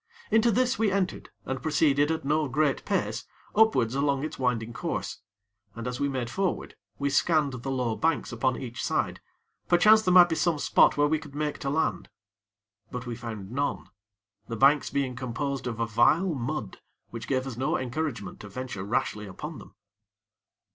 Into this we entered, and proceeded at no great pace upwards along its winding course; and as we made forward, we scanned the low banks upon each side, perchance there might be some spot where we could make to land; but we found none the banks being composed of a vile mud which gave us no encouragement to venture rashly upon them.